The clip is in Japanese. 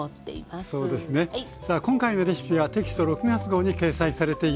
今回のレシピはテキスト６月号に掲載されています。